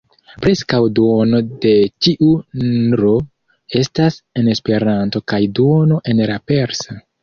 Preskaŭ duono de ĉiu n-ro estas en Esperanto kaj duono en la persa.